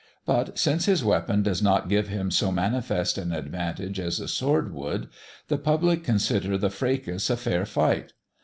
But since his weapon does not give him so manifest an advantage as a sword would, the public consider the fracas a fair fight.